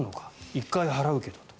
１回払うけどと。